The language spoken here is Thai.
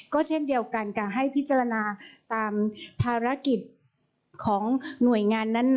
ก็เช่นเดียวกันค่ะให้พิจารณาตามภารกิจของหน่วยงานนั้น